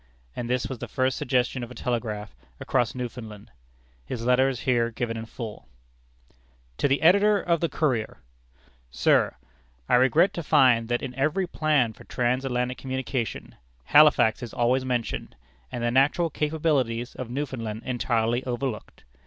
As this was the first suggestion of a telegraph across Newfoundland, his letter is here given in full: To the Editor of the Courier: Sir: I regret to find that, in every plan for transatlantic communication, Halifax is always mentioned, and the natural capabilities of Newfoundland entirely overlooked.